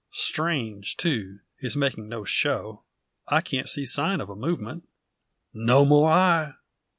Strange, too, his making no show. I can't see sign of a movement." "No more I."